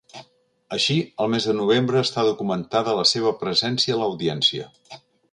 Així, el mes de novembre està documentada la seva presència a l'Audiència.